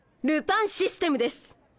ルパンシステムです。